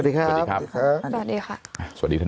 มีความรู้สึกว่า